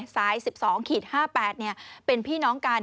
๑๒๕๘เป็นพี่น้องกัน